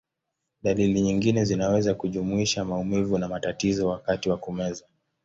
Dalili nyingine zinaweza kujumuisha maumivu na matatizo wakati wa kumeza.